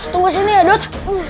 tunggu sini ya dodet